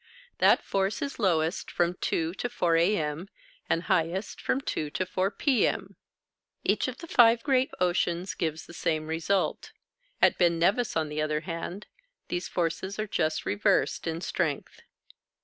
That force is lowest from 2 to 4 A.M., and highest from 2 to 4 P.M. Each of the five great oceans gives the same result. At Ben Nevis, on the other hand, these forces are just reversed in strength.